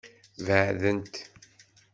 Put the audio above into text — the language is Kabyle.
Beɛdent.